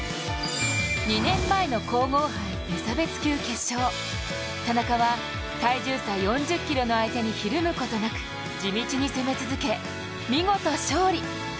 ２年前の皇后盃無差別級決勝、田中は体重差４０ｋｇの相手にひるむことなく地道に攻め続け、見事勝利。